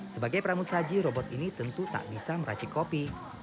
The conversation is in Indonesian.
sebagai pramusaji robot ini tentu tak bisa meracik kopi